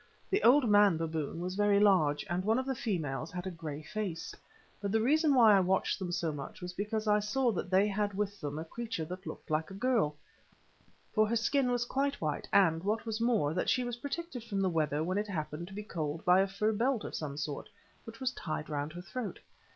The old man baboon was very large, and one of the females had a grey face. But the reason why I watched them so much was because I saw that they had with them a creature that looked like a girl, for her skin was quite white, and, what was more, that she was protected from the weather when it happened to be cold by a fur belt of some sort, which was tied round her throat.